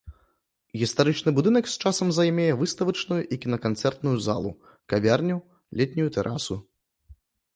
Гістарычны будынак з часам займее выставачную і кінаканцэртную залу, кавярню, летнюю тэрасу.